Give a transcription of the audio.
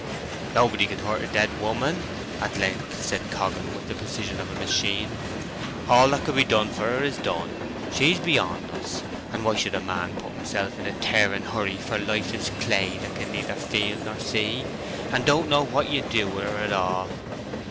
"Nobody can hurt a dead woman," at length said Coggan, with the precision of a machine. "All that could be done for her is done—she's beyond us: and why should a man put himself in a tearing hurry for lifeless clay that can neither feel nor see, and don't know what you do with her at all?